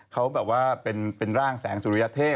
เขาแบบว่าเป็นร่างแสงสุริยเทพ